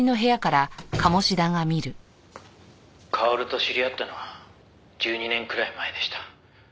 「薫と知り合ったのは１２年くらい前でした」